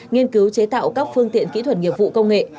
nghiên cứu chế tạo các phương tiện kỹ thuật nghiệp vụ công nghệ